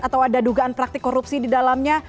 atau ada dugaan praktik korupsi di dalamnya